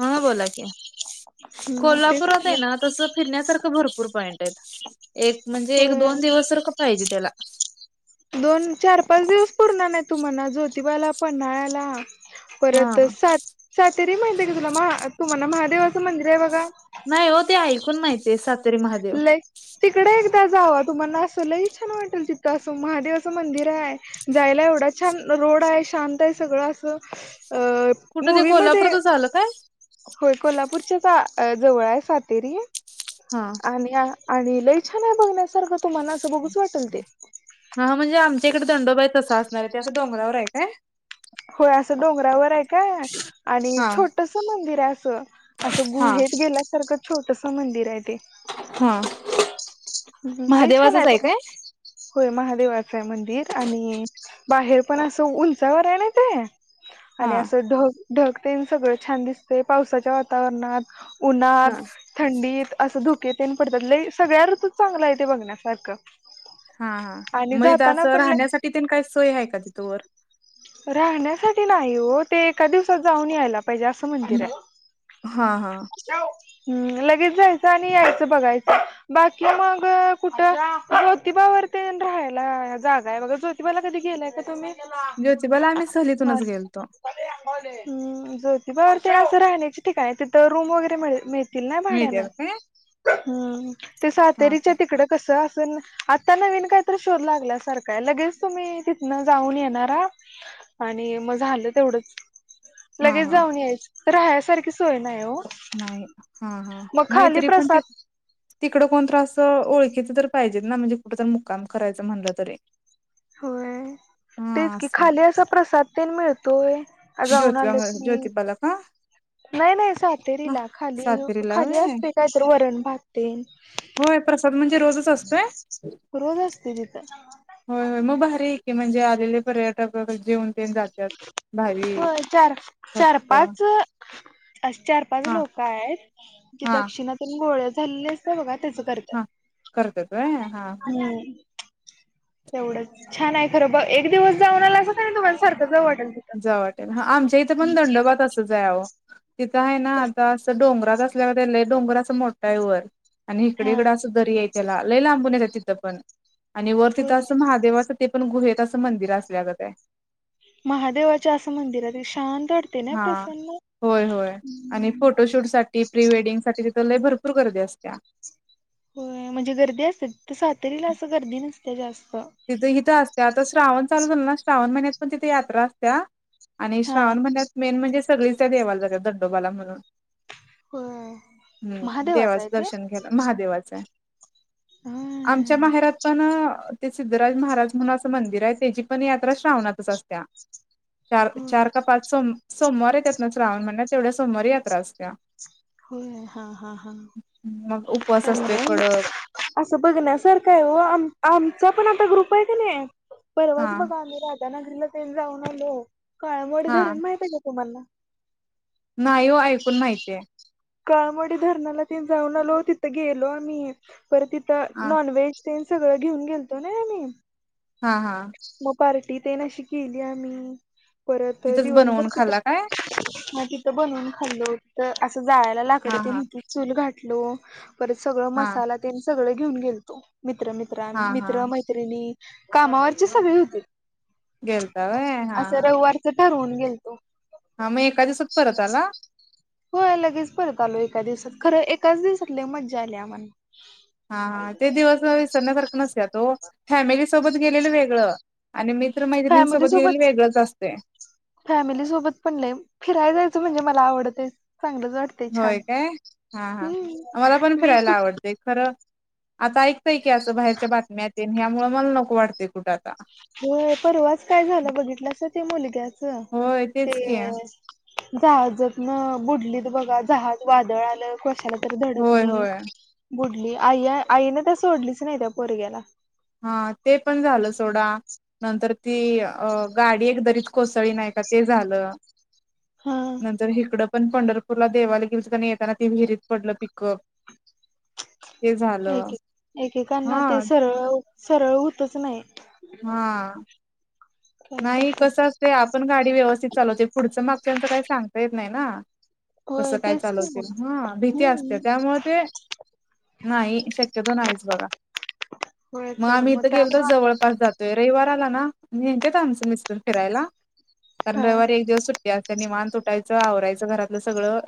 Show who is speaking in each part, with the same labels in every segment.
Speaker 1: हा बोला की,
Speaker 2: हम्म ते
Speaker 1: कोल्हापुरात
Speaker 2: झालं
Speaker 1: हाय ना तसं फिरण्यासारं भरपूर पॉईंट आहेत एक म्हणजे एक
Speaker 2: होय
Speaker 1: दोन दिवस जर का पाहिजे त्याला
Speaker 2: दोन चार पाच दिवस पुरणार नाय तुम्हांना ज्योतिबाला पन्हाळ्याला
Speaker 1: हा
Speaker 2: परत सा सातेरी माहितीये का तुला महा तुम्हाना महादेवाचं मंदिर हाय बघा
Speaker 1: नाय ओ ते ऐकून माहितये सातेरी महादेव,
Speaker 2: त जावा तुम्हांना असं लय छान वाटेल तिथं असं महादेवाचं मंदिर आहे जायला एवढं छान रोडय शांतय सगळं असं अ
Speaker 1: कुठं ते
Speaker 2: मूवी मधे
Speaker 1: कोल्हापुरातच आलं काय
Speaker 2: होय कोल्हापूरच्या का अ. जवळय सातेरी
Speaker 1: हा
Speaker 2: आणि आणि लयछानय बघण्यासारखं तुम्हांना असं बघ.
Speaker 1: हा हा म्हणजे आमच्या इकडं दंडोबाय तसा असणारय ते असं डोंगरावरय काय,
Speaker 2: होय असं डोंगरावरय काय आणि
Speaker 1: हा
Speaker 2: छोटसं मंदिरय असं असं
Speaker 1: हा
Speaker 2: गुहेत गेल्यासारखं छोटसं मंदिरय
Speaker 1: हा
Speaker 2: लई छान आहे
Speaker 1: महादेवाचंच हाय
Speaker 2: तो.
Speaker 1: काय
Speaker 2: होय महादेवाचय मंदिर आणि बाहेर पण असं उंचावरय ना ते आणि
Speaker 1: हा
Speaker 2: असं ढग ढगतेन सगळं छान दिसतय पावसाच्या वातावरणात.
Speaker 1: हा
Speaker 2: उन्हात थंडीत असं धुकेेतेन पडतात लय सगळ्या ऋतुत चांगलंय ते बघण्यासारखं
Speaker 1: हा हा हा
Speaker 2: आणि
Speaker 1: म तिथं
Speaker 2: जाताना
Speaker 1: असं
Speaker 2: पण लई
Speaker 1: राहण्यासाठी तेन काय सोय हाय का तिथं वर
Speaker 2: राहण्यासाठी नाय ओ ते एका दिवसात जाऊन यायला पाहिजे असं मंदिरय [inaudible]
Speaker 1: हा हा
Speaker 2: हम् लगेच जायचं आणि यायचं बघायचं बाकी मग अ.. कुठं जोतिबा [unintelligible] राहायला जागाय बगा जोतिबा ला कधी गेलाय का तुम्ही
Speaker 1: ज्योतिबाला आम्ही
Speaker 2: बर
Speaker 1: सहलीतूनच गेलतो.
Speaker 2: हं जोति ते [unintelligible] ते असं राहण्याची ठिकाणंयत तिथं रूम वगैरे मिळ- मिळतील ना भाड्यानं
Speaker 1: मिळत्यात काय
Speaker 2: हम्म ते
Speaker 1: हा
Speaker 2: सातेरीच्या तिकडं कसं असं न आत्ता नवीन काय तर शोध लागल्यासारखय लगेच तुम्ही तिथनं जाऊन येणारा, आणि मग झालं तेवढंच
Speaker 1: हा
Speaker 2: लगेच
Speaker 1: हा
Speaker 2: जाऊन यायचं राहयसारखी सोय नाही हो
Speaker 1: नाही हा -हा
Speaker 2: मग
Speaker 1: नाही
Speaker 2: खाली
Speaker 1: तरी पण ते
Speaker 2: प्रसाद
Speaker 1: तिकडं कोण त्रास ओळखीच तर पाहिजेत ना म्हणजे कुठ तर मुक्काम करायचं म्हणलं तरी
Speaker 2: होय
Speaker 1: हा
Speaker 2: तेच की
Speaker 1: असं
Speaker 2: खाली असा प्रसाद तेन मिळतोय हा जाऊन
Speaker 1: ज्योतिबा
Speaker 2: आलं की
Speaker 1: ज्योतिबाला का
Speaker 2: [inaudible] नाही -नाही
Speaker 1: ह
Speaker 2: सातेरीला खाली
Speaker 1: सातेरीला
Speaker 2: -खाली
Speaker 1: होय
Speaker 2: असते काय तर वरण भात ते
Speaker 1: होय प्रसाद म्हणजे रोजच असतोय
Speaker 2: रोज असताय तिथं [inaudible]
Speaker 1: होय -होय मग भारी की म्हणजे आलेले पर्यटक जेवन जातात भावी
Speaker 2: होय चार
Speaker 1: फ [inaudible] क्त
Speaker 2: अशी चार -पाच लोक आहेत [inaudible] जी
Speaker 1: हा
Speaker 2: दक्षिणातून गोळ्या झालेले असत बघा तसं
Speaker 1: हा
Speaker 2: करतात [inaudible]
Speaker 1: करतात होय हा- हा
Speaker 2: [inaudible] तेवढंच छान आहे खरं बघ एक दिवस जाऊनला असं तुम्हालासारखं जाऊ वाटताय
Speaker 1: जाऊ वाटल हा आमच्या इथं पण दंडवात असंच आहे आहो तिथं आहे ना
Speaker 2: कस
Speaker 1: आता असं डोंगरात असल्यावर त्याला डोंगर असं मोठा आहे वर आणि हिकडं
Speaker 2: हा
Speaker 1: -हिकडं असं दरी आहे त्याला लय लांबून येत तिथं पण आणि वर तिथं
Speaker 2: होय
Speaker 1: असं महादेवाच ते पण गुहेत असं मंदिर असल्यागत आहे
Speaker 2: महादेवाच असं मंदिर आहे ते शांत वाटताय ना
Speaker 1: हा
Speaker 2: प्रसन्न
Speaker 1: होय -होय आणि फोटोशूट साठी प्री वेडिंग साठी तिथ लय भरपूर गर्दी असत्या
Speaker 2: होय म्हणजे गर्दी असते तर सातरीला असं गर्दी नसते जास्त
Speaker 1: तिथं इथं असत्या आता श्रावण चालू झालं ना श्रावण महिन्यात पण तिथे यात्रा असत्या आणि
Speaker 2: हा
Speaker 1: श्रावण महिन्यात मेन म्हणजे सगळीच त्या देवाला जात दंडोबाला म्हणून
Speaker 2: होय
Speaker 1: [inaudible] हम्म
Speaker 2: महादेवाच
Speaker 1: देवाच
Speaker 2: आहे ते
Speaker 1: दर्शन घ्यायला महादेवाचं आमच्या
Speaker 2: हम्म
Speaker 1: माहेरात पण ते सिद्धराज महाराज म्हणून असं मंदिर आहे त्याची पण यात्रा श्रावणातच असत्या चार
Speaker 2: होय
Speaker 1: -चार का पाच सम सोमवार त्यातनच राहून महिन्यात तेवढ्या सोमवारी यात्रा असत्या
Speaker 2: होय हा- हा- हा
Speaker 1: मग उपवास असतोय कडक
Speaker 2: [inaudible] असं बघण्यासारखं आहे आम आम जो पण आता ग्रुप आहे का नाही
Speaker 1: हा
Speaker 2: परवाच बघा आम्ही राजानगरीला ते जाऊन [inaudible] आलो काळमवाडी
Speaker 1: हा
Speaker 2: धरून माहिती आहे का? तुम्हाला
Speaker 1: नाही ओ ऐकून माहितीय
Speaker 2: काळमवाडी धरणाला तेन जाऊन आलो तिथं गेलो आम्ही परत तिथं
Speaker 1: हा
Speaker 2: नॉनव्हेज तेन सगळं घेऊन गेलतो नाही आम्ही
Speaker 1: हा -हा
Speaker 2: मग पार्टी तेन अशी गेली आम्ही परत
Speaker 1: तिथंच
Speaker 2: दिवसभर
Speaker 1: बनवून
Speaker 2: तिथं
Speaker 1: खाल्ला काय
Speaker 2: थांबल. तिथं बनवून खाल्लो तर असं जाळायला लाकड
Speaker 1: हा
Speaker 2: तेन
Speaker 1: हा
Speaker 2: होतीत चूल घातलो. परत सगळ
Speaker 1: हा
Speaker 2: मसाला तेन सगळं घेऊन गेलतो मित्र मित्र
Speaker 1: हा
Speaker 2: आम्ही
Speaker 1: हा
Speaker 2: मित्र मैत्रिणी कामावरचे सगळे होते.
Speaker 1: गेलता होय हा, हा.
Speaker 2: रविवारच ठरवून गेलतो.
Speaker 1: हा मग एका दिवसात परत आला
Speaker 2: हो लगेच परत आलो एका दिवसात खरं एकाच दिवसात लय मज्जा आली आम्हाला.
Speaker 1: हा हा ते दिवस विसरण्यासारख नसत्यात ओ फॅमिलीच सोबत गेलेलं वेगळं आणि मित्र
Speaker 2: फॅमिली
Speaker 1: मैत्रिणींसोबत गेलेलं
Speaker 2: सोबत
Speaker 1: वेगळंच असतय.
Speaker 2: फॅमिली सोबत पण लई फिरायला ते म्हणजे मला आवडते
Speaker 1: होय काय हा हा आम्हाला पण
Speaker 2: हम्म मी
Speaker 1: फिरायला
Speaker 2: कुठ
Speaker 1: आवडते. खरं, आता ऐकतंय की असं बाहेरच्या बातम्या तेन यामुळे मला नको वाटते. कुठंच,
Speaker 2: हो परवाच काय झालं बघितलासा ते मुलग्याच
Speaker 1: होय तेच
Speaker 2: ते
Speaker 1: की
Speaker 2: जहाजात न बुडलीत बघा जहाज वादळ आलं कशाला
Speaker 1: होय
Speaker 2: धडकली
Speaker 1: होय
Speaker 2: बुडली आई आईने त्या सोडलीच नाही त्या पोरग्याला,
Speaker 1: हा ते पण झालं सोडा. नंतर ती अ गाडी एक दरीत कोसळली नाही का ते झालं.
Speaker 2: हा
Speaker 1: नंतर हिकडं पण पंढर पूरला देवाला गेलीत येताना ती विहिरीत पडलं तिघ.
Speaker 2: एक एकेकांना ते सरळ सरळ होतच नाही.
Speaker 1: हा
Speaker 2: काय
Speaker 1: नाही कसं
Speaker 2: करतास
Speaker 1: असते. आपण गाडी व्यवस्थित चालवते पुढचं मागच्याचं काही सांगता येत नाही ना. तसं
Speaker 2: होय
Speaker 1: काय
Speaker 2: तेच की
Speaker 1: चालवते
Speaker 2: मग
Speaker 1: हा भीती असते
Speaker 2: हम्म
Speaker 1: त्यामुळे ते, नाही शक्यतो नाहीच बघा.
Speaker 2: होय
Speaker 1: मग
Speaker 2: तर
Speaker 1: आम्ही इथं गेलो तर
Speaker 2: त्यामुळे
Speaker 1: जवळपास जातोय रविवार आला ना, नेत्यांत आमच मिस्टर फिरायला कारण
Speaker 2: हा
Speaker 1: रविवारी एक दिवस सुट्टी असत्या. निवांत उठायचं आवरायचं घरातलं सगळं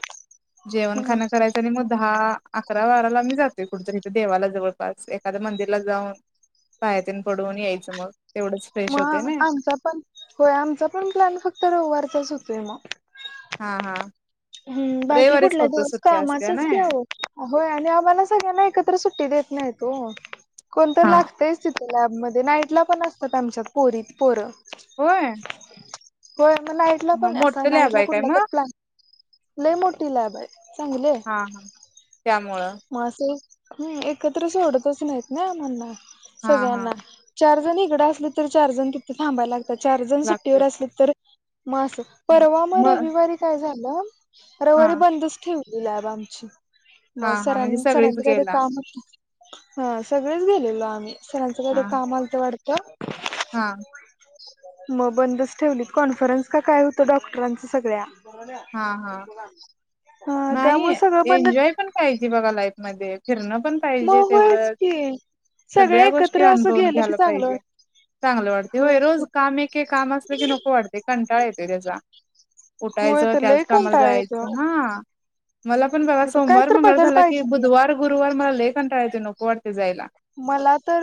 Speaker 1: जेवण
Speaker 2: ह
Speaker 1: खाण करायचं आणि मग दहा, अकरा, बारा मी जातोय कुठतरी देवाला जवळपास एखाद्या मंदिरला जाऊन. पाया तेन पडून यायचं. मग तेवढंच फ्रेश होतंय
Speaker 2: मग
Speaker 1: नई.
Speaker 2: आमचा पण होय आमचा पण प्लॅन फक्त रविवारचाच होतोय मग,
Speaker 1: हा हा
Speaker 2: हम बाकी
Speaker 1: रविवारीच
Speaker 2: कुठल्या
Speaker 1: फक्त
Speaker 2: दिवस
Speaker 1: सुट्टी असत्या
Speaker 2: कामाचच
Speaker 1: नई
Speaker 2: की अहो आणि आम्हाला सगळ्यांना एकत्र सुट्टी देत नाहीत हो कोण तर
Speaker 1: हा.
Speaker 2: लागतायचं तिथं. लॅबमध्ये नाईटला पण असतात आमच्यात पोरी पोरं
Speaker 1: होय
Speaker 2: होय नाईटला
Speaker 1: हा
Speaker 2: पण अस
Speaker 1: मोठं लॅब
Speaker 2: नाईटला
Speaker 1: आहे काय
Speaker 2: कुठला
Speaker 1: मग
Speaker 2: तर प्लॅन लय मोठी लॅब आहे चांगली हाय
Speaker 1: हा हा त्यामुळं
Speaker 2: मग असं, हम् एकत्र सोडतच नाहीत ना आम्हांला
Speaker 1: हा हा
Speaker 2: सगळ्यांना चार जणी अस तर चार जण तिथं थांबायला लागतात चार जण सुट्टीवर
Speaker 1: लागतेच
Speaker 2: असली तर, मग अस परवा मग रविवारी काय झालं
Speaker 1: हा
Speaker 2: रविवारी बंदच ठेव. लॅब आमची मग
Speaker 1: हा हा म्हणजे
Speaker 2: सरांनी
Speaker 1: सगळीच
Speaker 2: सरांचं काय तरी
Speaker 1: गेला
Speaker 2: काम होतं. हा सगळेच गेलेलो आम्ही सरांचं काय
Speaker 1: हा
Speaker 2: तरी काम आलत वाटत.
Speaker 1: हा
Speaker 2: मग बंदच ठेवली. कॉन्फरन्स का काय होतं डॉक्टरांनच सगळ्या
Speaker 1: हा हा
Speaker 2: हा
Speaker 1: नाही.
Speaker 2: त्यामुळे सगळं बंद
Speaker 1: एन्जॉय पण घ्यायची बघा लाईफ मध्ये फिरणं. पण पाहिजे.
Speaker 2: मग होयच
Speaker 1: तेवढंच
Speaker 2: की सगळे
Speaker 1: सगळ्या गोष्टी
Speaker 2: एकत्र असं
Speaker 1: अनुभवून
Speaker 2: गेलं की
Speaker 1: घ्यायला
Speaker 2: चांगलं
Speaker 1: पाहिजे.
Speaker 2: वाटत
Speaker 1: चांगलं वाटतंय होय रोज काम एके काम असलं की नको वाटतंय कंटाळ येतो त्याचा
Speaker 2: होय
Speaker 1: उठायचं
Speaker 2: तर लय
Speaker 1: त्याच कामाला
Speaker 2: कंटाळा
Speaker 1: जायचं
Speaker 2: येतो
Speaker 1: हा मला पण बघा
Speaker 2: काय
Speaker 1: सोमवार
Speaker 2: तर
Speaker 1: मंगळवार
Speaker 2: बदल
Speaker 1: झाला की
Speaker 2: पाहिजे
Speaker 1: बुधवार गुरुवार मला लई कंटाळा येतोय नको वाटतय
Speaker 2: मला तर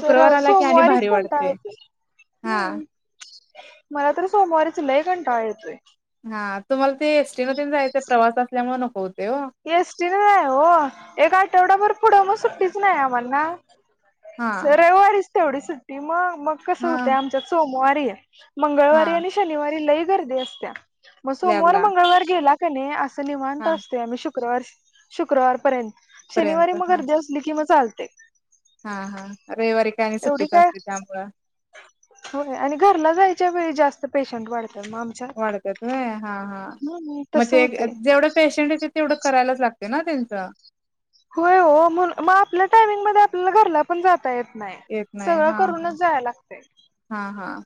Speaker 2: जरा
Speaker 1: आला की आणि
Speaker 2: सोमवारीच
Speaker 1: भारी
Speaker 2: कंटाळा
Speaker 1: वाटते
Speaker 2: येतोय
Speaker 1: हा
Speaker 2: हम्म मला तर सोमवारीच लय कंटाळा येतोय
Speaker 1: हा तुम्हाला ते एसटी मधून जायचं प्रवास असल्यामुळे नको होतं
Speaker 2: एसटीने नाही हो एक आठवडाभर पुढं मग सुट्टीच नाही आम्हाला
Speaker 1: हा
Speaker 2: रविवारीच तेवढी सुट्टी मग मग कसं
Speaker 1: हा
Speaker 2: होतंय आमच्यात सोमवारी मंगळवारी
Speaker 1: हा
Speaker 2: आणि शनिवारी लई गर्दी असत्या मग सोमवार
Speaker 1: लॅबला
Speaker 2: मंगळवार गेला कणी अस निवांत
Speaker 1: हा
Speaker 2: असतंय आम्ही शुक्रवार शुक्रवारपर्यंत शनिवारी
Speaker 1: पर्यंत
Speaker 2: मग
Speaker 1: हा
Speaker 2: गर्दी असली कि मग चालतंय ते
Speaker 1: हा हा रविवारी काय आणि
Speaker 2: एवढी
Speaker 1: सुट्टीच
Speaker 2: काय
Speaker 1: असते त्यामुळं
Speaker 2: हो आणि घरला जायच्या वेळी जास्त पेशंट वाढतं
Speaker 1: वाढत्यात होय हा हा
Speaker 2: हम्म
Speaker 1: मग
Speaker 2: तसं
Speaker 1: ते
Speaker 2: होतय
Speaker 1: जेवढं पेशंट येतात तेवढं करायलाच लागतंय ना त्यांचं
Speaker 2: होय हो म्हणून मग आपल्या टायमिंगमध्ये आपल्या घरला पण जाता येतेय नाही
Speaker 1: येत नाही
Speaker 2: सगळं
Speaker 1: हा
Speaker 2: करूनच
Speaker 1: हा
Speaker 2: जायाय लागतंय
Speaker 1: हा हा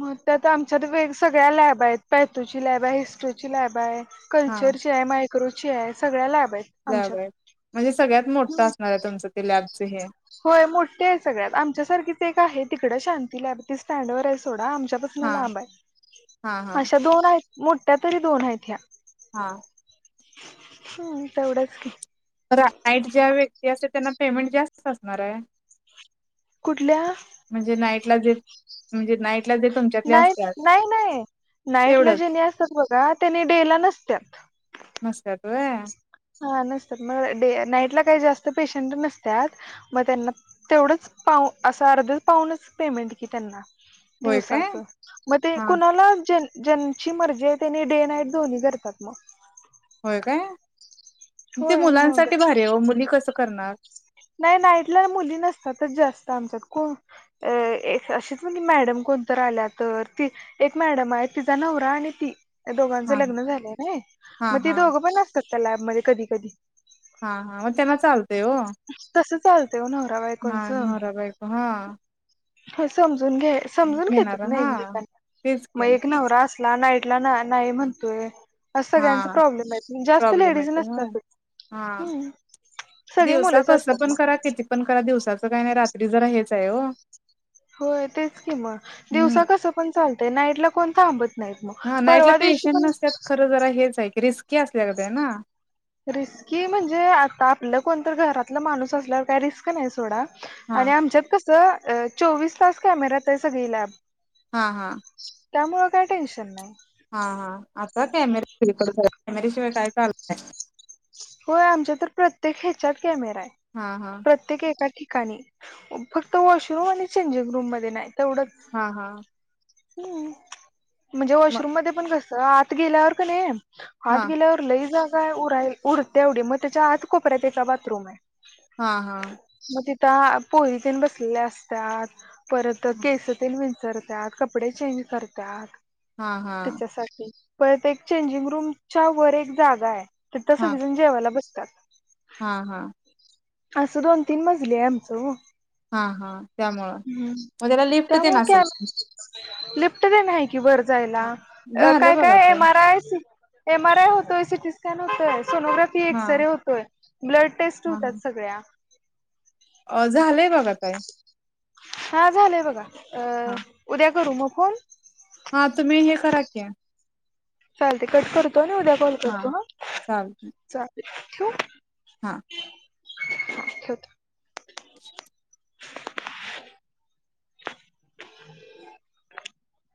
Speaker 2: मग त्या तर आमच्यात वेग सगळ्या लॅब आहेत पॅथोची लॅब आहे हिस्ट्रोची लॅब आहे
Speaker 1: हा
Speaker 2: कल्चर चे आहे मायक्रोचे आहे सगळ्या लाॅब
Speaker 1: लॅब आहे म्हणजे सगळ्यात मोठं असणार आहे तुमचं ते लॅबच हे
Speaker 2: होय मोठे आहे सगळ्यात आमच्या सारखीच एक आहे तिकड शांती लॅब ती स्टँडवर आहे सोडा आ
Speaker 1: हा
Speaker 2: ला आहे
Speaker 1: हा हा
Speaker 2: अशा दोन आहेत मोठ्या तरी दोन आहेत ह्या
Speaker 1: हा
Speaker 2: हम् तेवढंच की
Speaker 1: तर नाईट ज्या व्यक्ती असते त्यांना पेमेंट जास्त असणार आहे
Speaker 2: कुठल्या
Speaker 1: म्ह
Speaker 2: नाईट नाही नाही नाईटला
Speaker 1: तेवढंच
Speaker 2: जेनी असतात बघ त्यानी डेला नसत तथ
Speaker 1: नसत्यात होय
Speaker 2: हा नसतात मग डे नाईटला काही जास्त पेशंट नसतात मग त्यांना तेवढंच पाह असा अर्धच पाहूनच पेमेंट की त्यांना
Speaker 1: होय काय
Speaker 2: दिवसाच मग ते
Speaker 1: हा
Speaker 2: कणाला जे ज्यांची मर्जी आहे त्यांनी डे नाईट दोन्ही करतात मग
Speaker 1: होय काय ते
Speaker 2: होय मग
Speaker 1: मुलांसाठी भारी मुली कसं करणार
Speaker 2: नाही नाईटला मुली नसतात जास्त आमच्यातच एक अशीच मॅडम कोणत आल्या तर ती एक मॅडम आहे तिचा नवरा आणि ती दोघांचं
Speaker 1: हा
Speaker 2: लग्न झालंय ना
Speaker 1: हा
Speaker 2: मग ते
Speaker 1: हा
Speaker 2: दोघं पण असतात का लॅबमध्येध्ये कधी कधी
Speaker 1: हा हा मग त्यांना चालत
Speaker 2: तस चालत हो नवरा
Speaker 1: हा
Speaker 2: बाईकोंचं
Speaker 1: नवरा बायको हा
Speaker 2: हो समजून घ समजून
Speaker 1: घेणार
Speaker 2: घेतात ना
Speaker 1: हा
Speaker 2: एकम्यकांना
Speaker 1: तेच की
Speaker 2: मग एक नवरा अस नाही नाइटला नाही म्हणतोय अस
Speaker 1: हा
Speaker 2: सगळ्यांचा प्रॉब्लेम जास्त
Speaker 1: प्रॉब्लेम
Speaker 2: लेडीज
Speaker 1: येतो होय
Speaker 2: नसतातच
Speaker 1: हा
Speaker 2: सगळी
Speaker 1: दिवसा
Speaker 2: मुलंच
Speaker 1: कस
Speaker 2: असतात
Speaker 1: पण
Speaker 2: मग
Speaker 1: करा किती पण करा दिवसाच काय नाही रात्री जरा हेच आहे हो
Speaker 2: होय तेच कि म
Speaker 1: हम्म
Speaker 2: दिवसा कसं पण चालतय नाईटला कोण थांबत ना
Speaker 1: हा नाईटला पेशंट नसतत खरं जरा हेच आहे की रिस्की असल्या गत आहे ना
Speaker 2: रिस्की म्हणजे आता आपलं कोणत घरातलं माणूस असल्यावर काही रिस्क नाही सोडा
Speaker 1: हा
Speaker 2: आणि आमच्यात कस चोवीस तास कॅमेरात आहे सगळी लॅब
Speaker 1: हा हा
Speaker 2: त्यामुळेळ काही टेन्शन नाही
Speaker 1: हा हा आता कॅमेराे कॅमेरशिवाय काय चालय
Speaker 2: होय आमच्या तर प्रत्येक ह्याच्यात कॅमेरा आहे
Speaker 1: हा हा
Speaker 2: प्रत्येक एका ठिका का फक्त वॉशरूम आणि चेंजिंग रूम मध्ये नाही तेवढंच
Speaker 1: हा हा
Speaker 2: हम् म्हणजे
Speaker 1: म
Speaker 2: वॉशरूम मध्ये पण कसं आत गेल्यावर का नाही
Speaker 1: हा
Speaker 2: हात गेल्यावर लई जागाय उर उर तेवढी मग त्याच्या हात कोपऱ्या त्याचा बाथरूम आहे
Speaker 1: हा हा
Speaker 2: त्या पोरीत बसलेल्या असतात परत केस रतात कपडे चेंज करतात
Speaker 1: हा हा
Speaker 2: त्याच्यासाठी परत एक चेंजिंग रूमच्या वर एक जागा आहे तिथं
Speaker 1: हा
Speaker 2: सगळीजण जेवायला बसतात
Speaker 1: हा हा
Speaker 2: असं दोन तीन मजले आहे आमचं
Speaker 1: हा हा त्यामुळं
Speaker 2: हम्म
Speaker 1: मग त्याला लिफ्ट ते
Speaker 2: त्यामुळे
Speaker 1: नसेल
Speaker 2: काय लिफ्ट देण आहे की वर जायला
Speaker 1: झालं
Speaker 2: काय
Speaker 1: बघा
Speaker 2: काय
Speaker 1: ताई
Speaker 2: M R I M R I होतोय सिटी स्कॅन होतोय सोनोग्राफी
Speaker 1: हा
Speaker 2: एक्सरे होतोय ब्लड टेस्ट होतात सगळ्या
Speaker 1: अ झालंय बघा काय
Speaker 2: हा झालंय बघा अ
Speaker 1: हा
Speaker 2: उद्या करू मग फोन
Speaker 1: हा तुम्ही हे करा की
Speaker 2: चाल ते कट करतो आणि उद्या कॉल करतो हा
Speaker 1: चालतंय
Speaker 2: चालेल ठेव
Speaker 1: हा
Speaker 2: ेत [unintelligible] [unintelligible]